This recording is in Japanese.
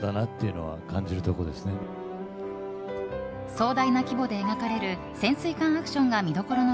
壮大な規模で描かれる潜水艦アクションが見どころの